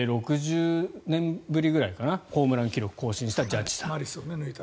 ６０年ぶりくらいかなホームラン記録を更新したジャッジさん。